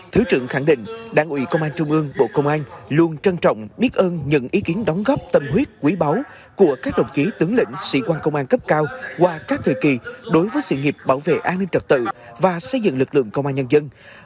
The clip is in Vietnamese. thứ trưởng khẳng định đảng ủy công an trung ương bộ công an luôn trân trọng biết ơn những ý kiến đóng góp tâm huyết quý báu của các đồng chí tướng lĩnh sĩ quan công an cấp cao qua các thời kỳ đối với sự nghiệp bảo vệ an ninh trật tự và xây dựng lực lượng công an nhân dân